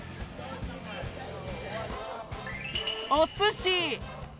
おすし！